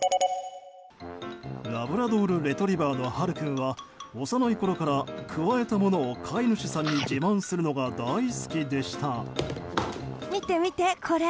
ラブラドルレトリバーのハル君は幼いころから、くわえたものを飼い主さんに自慢するのが大好きでした。